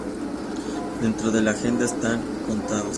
Dentro de la agenda están contados.